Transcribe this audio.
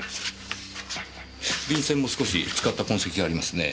便箋も少し使った痕跡がありますね。